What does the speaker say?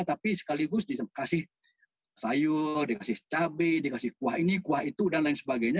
tapi sekaligus dikasih sayur dikasih cabai dikasih kuah ini kuah itu dan lain sebagainya